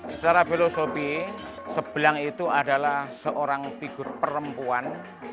secara filosofi sebelang itu adalah seorang figur perempuan